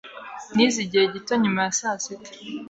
Nize igihe gito nyuma ya saa sita.